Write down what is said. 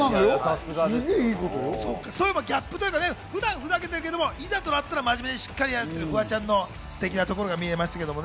ギャップというかね、普段ふざけてるけど、いざとなったら真面目にしっかりやるっていうフワちゃんのステキなところが見えました。